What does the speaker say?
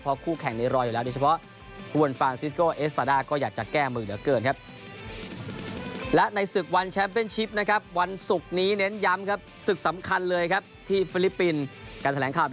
เพราะคู่แข่งในรอยอยู่แล้ว